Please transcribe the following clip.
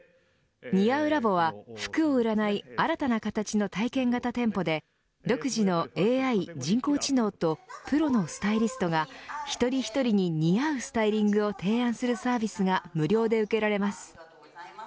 ｎｉａｕｌａｂは服を売らない新たな形の体験型店舗で独自のＡＩ人工知能とプロのスタイリストが一人一人に似合うスタイリングを提案するサービスが無料で受けられます。